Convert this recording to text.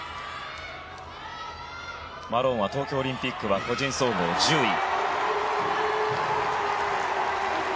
マローンは東京オリンピックは個人総合１０位。